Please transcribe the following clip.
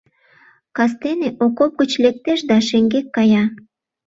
Кастене окоп гыч лектеш да шеҥгек кая.